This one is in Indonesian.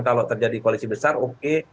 kalau terjadi koalisi besar oke